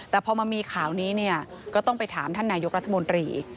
แต่พอมามีข่าวนี้เนี่ยก็ต้องไปถามท่านนายกรัฐมนตรี